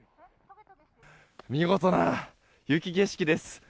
見事な雪景色です。